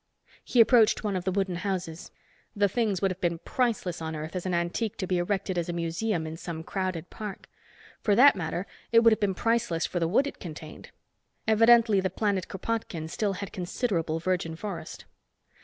He approached one of the wooden houses. The things would have been priceless on Earth as an antique to be erected as a museum in some crowded park. For that matter it would have been priceless for the wood it contained. Evidently, the planet Kropotkin still had considerable virgin forest.